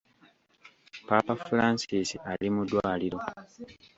Paapa Francis ali mu ddwaliro.